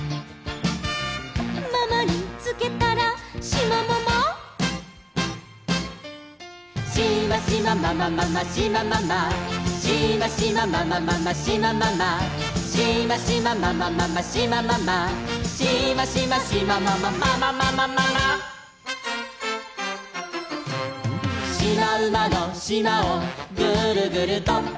「ママにつけたらシマママ」「シマシマママママシマママ」「シマシマママママシマママ」「シマシマママママシマママ」「シマシマシマママママママママ」「しまうまのしまをグルグルとって」